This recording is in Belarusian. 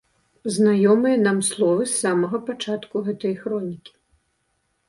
Знаёмыя нам словы з самага пачатку гэтай хронікі!